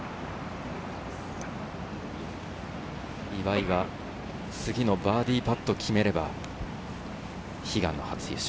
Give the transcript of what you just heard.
岩井は次のバーディーパットを決めれば、悲願の初優勝。